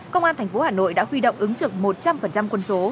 công an thành phố hà nội đã huy động ứng trực một trăm linh quân số